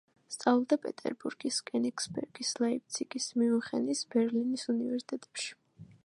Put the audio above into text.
სწავლობდა პეტერბურგის, კენიგსბერგის, ლაიფციგის, მიუნხენის, ბერლინის უნივერსიტეტებში.